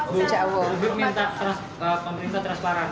bu minta pemerintah transparan